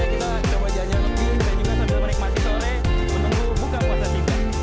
kita coba janji nanti juga sambil menikmati sore menunggu buka puasa singkat